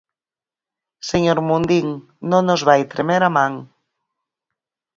Señor Mundín, non nos vai tremer a man.